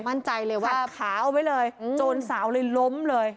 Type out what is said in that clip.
มั่นใจเลยว่าขาเอาไว้เลยโจรสาวเลยล้มเลย